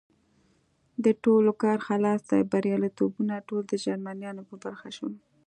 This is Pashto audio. د ټولو کار خلاص دی، بریالیتوبونه ټول د جرمنیانو په برخه شول.